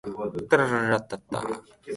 北海道音更町